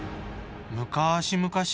むかしむかし